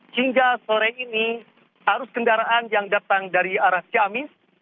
hingga sore ini arus kendaraan yang datang dari arah ciamis